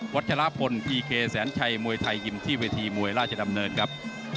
วัตถ์ธรรพลพีเคแสนชัยมวยไทยกิมที่วิธีมวยราชดำเนินครับ